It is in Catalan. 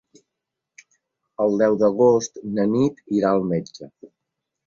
El deu d'agost na Nit irà al metge.